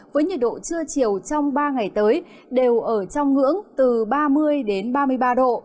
với nhiệt độ trưa chiều trong ba ngày tới đều ở trong ngưỡng từ ba mươi đến ba mươi ba độ